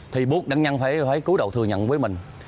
thì buộc nạn nhân phải cứu đầu thừa nhận với mình